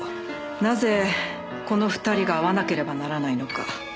なぜこの２人が会わなければならないのか。